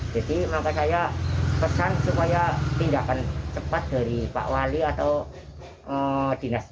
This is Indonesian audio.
jadi maka saya pesan supaya tindakan cepat dari pak wali atau dinas